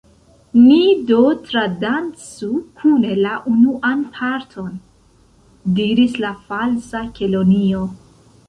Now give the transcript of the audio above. "Ni do tradancu kune la unuan parton," diris la Falsa Kelonio.